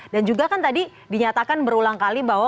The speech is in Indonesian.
dan juga kan tadi dinyatakan berulang kali bahwa